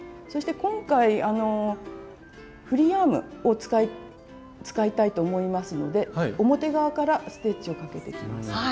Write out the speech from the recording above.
そして今回フリーアームを使いたいと思いますので表側からステッチをかけていきます。